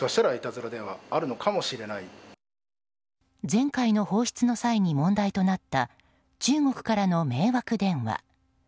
前回の放出の際に問題になった中国からの迷惑電話。